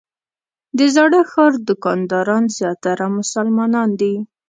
د زاړه ښار دوکانداران زیاتره مسلمانان دي.